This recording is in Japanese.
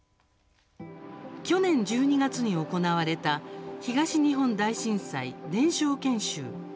去年１２月に行われた東日本大震災伝承研修。